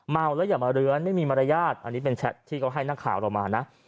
เมาแล้วอย่ามาเลื้อนไม่มีมารยาทอันนี้เป็นแชทที่เขาให้นักข่าวเรามานะ